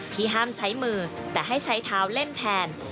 ห้ามใช้มือแต่ให้ใช้เท้าเล่นแทน